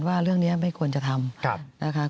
ว่าเรื่องนี้ไม่ควรจะทำนะคะ